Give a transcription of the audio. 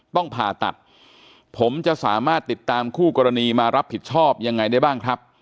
ต้องผ่าตัดผมจะสามารถติดตามคู่กรณีมารับผิดชอบยังไงได้บ้างครับ